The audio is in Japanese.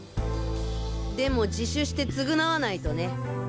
でも自首して償わないとね。